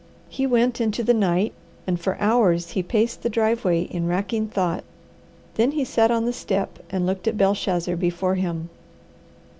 He went into the night, and for hours he paced the driveway in racking thought. Then he sat on the step and looked at Belshazzar before him.